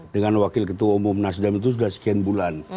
dengan wakil ketua umum nasdem itu sudah sekian bulan